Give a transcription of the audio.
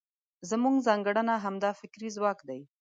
زموږ ځانګړنه همدا فکري ځواک دی.